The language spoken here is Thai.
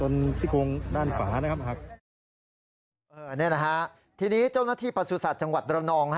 นี่นะฮะทีนี้เจ้าหน้าที่ประสุทธิ์จังหวัดระนอง